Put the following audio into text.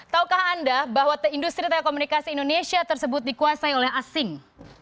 taukah anda bahwa industri telekomunikasi indonesia tersebut dikuasai oleh asing